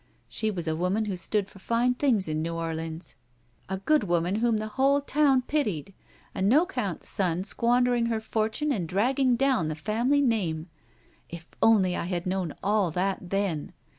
She was a woman who stood for fine things in New Orleans. A good woman whom the whole town pitied! A no 'cotmt son sqtiandering her forttme and dragging down the family name. If only I had known all that then!